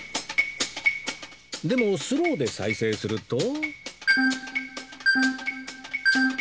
でもスローで再生すると